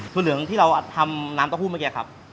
เหลืองที่เราทำน้ำเต้าหู้เมื่อกี้ครับ